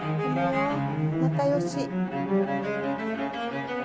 仲よし。